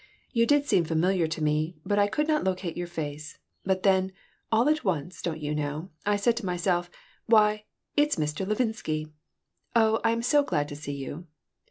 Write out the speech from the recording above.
You did seem familiar to me, but I could not locate your face. But then, all at once, don't you know, I said to myself, 'Why, it's Mr. Levinsky.' Oh, I'm so glad to see you."